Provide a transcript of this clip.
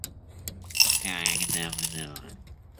Как давно...